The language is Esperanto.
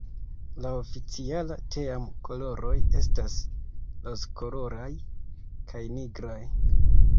La oficiala team-koloroj estas rozkoloraj kaj nigraj.